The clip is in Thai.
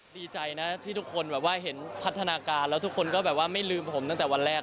ดีใจนะที่ทุกคนแบบว่าเห็นพัฒนาการแล้วทุกคนก็แบบว่าไม่ลืมผมตั้งแต่วันแรก